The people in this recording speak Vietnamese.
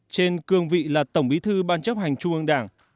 trên cương vị là tổng bí thư ban chấp hành trung ương đảng